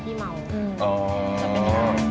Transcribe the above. ที่นัทยังไม่พูดอะไร